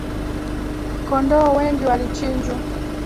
Kondoo wengi walichinjwa